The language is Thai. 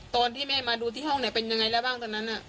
ตอนที่แม่มาดูที่ห้องเนี่ยเป็นยังไงแล้วบ้างตอนนั้น